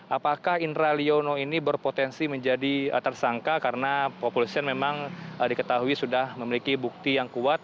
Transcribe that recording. apakah indra liono ini berpotensi menjadi tersangka karena populisan memang diketahui sudah memiliki bukti yang kuat